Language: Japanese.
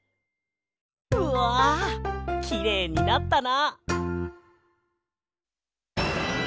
うわきれいになったな！